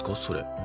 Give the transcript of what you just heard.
それ。